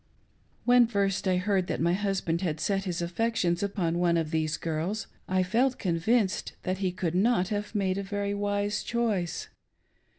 When first I heard that my husband had set his affections upon one of these girls, I felt convinced that he could not have made a very wise choice.